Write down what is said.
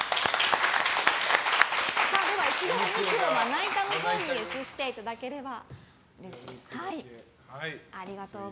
では、お肉をまな板のほうに移していただければ。